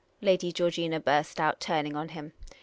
" Lady Georgina burst out, turning on him.